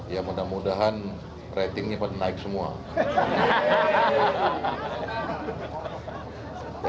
ya mudah mudahan ratingnya pada naik semua